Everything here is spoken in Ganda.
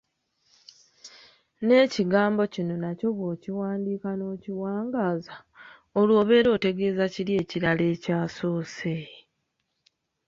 N’ekigambo kino nakyo bw’okiwandiika n’okiwangaaza, olwo obeera otegeeza kiri ekirala ekyasoose.